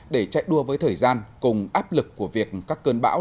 để chạy đua với thời gian cùng áp lực của việc các cơn bão